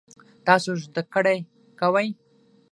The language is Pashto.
تاسو زده کړی کوئ؟